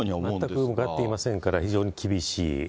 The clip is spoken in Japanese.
全く向かっていませんから、非常に厳しい。